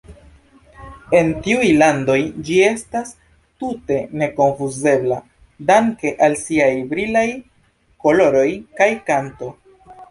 En tiuj landoj ĝi estas tute nekonfuzebla danke al siaj brilaj koloroj kaj kanto.